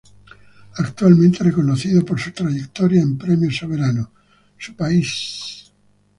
Actualmente reconocido por su trayectoria en premios Soberano, su país